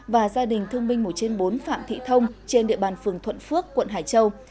và gia đình thương binh một trên bốn phạm thị thông trên địa bàn phường thuận phước quận hải châu